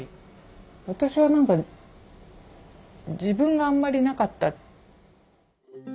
私は何か自分があんまり無かった。